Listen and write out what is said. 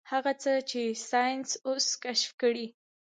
هغه څه چې ساينس اوس کشف کړي.